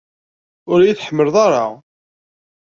Ur iyi-tḥemmleḍ ara.